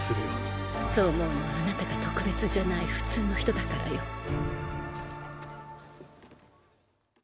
そう思うのはあなたが特別じゃない普通の人だからよ。